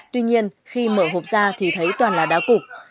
tuy nhiên khi mở hộp ra thì thấy toàn là đá cục